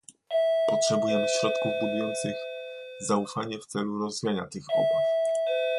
Potrzebujemy środków budujących zaufanie w celu rozwiania tych obaw